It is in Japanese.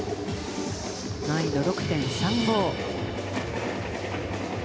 難易度６．３５。